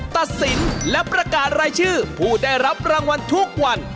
ตัดสินและประกาศรายชื่อผู้ได้รับรางวัลทุกวัน